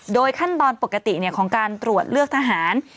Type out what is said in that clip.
ขั้นตอนปกติของการตรวจเลือกทหาร